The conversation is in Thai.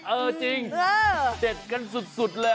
เออจริงเด็ดกันสุดเลย